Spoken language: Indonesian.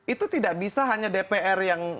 itu tidak bisa hanya dpr yang